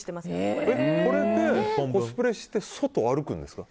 これでコスプレして外を歩くんですか？